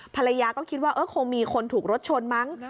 ภรรยาก็คิดว่าคงมีคนถูกรถชนมั้ง